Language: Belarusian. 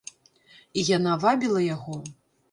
І яна вабіла яго.